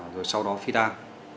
rồi sau đó phi tan